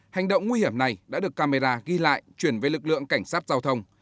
hành động nguy hiểm này đã được camera ghi lại chuyển về lực lượng cảnh sát giao thông